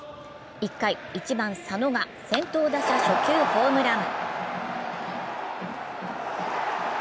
１回、１番・佐野が先頭打者初球ホームラン。